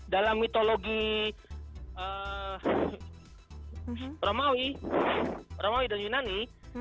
dalam mitologi romawi dan yunani